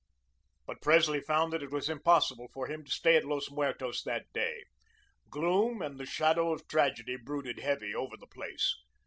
But Presley found that it was impossible for him to stay at Los Muertos that day. Gloom and the shadow of tragedy brooded heavy over the place.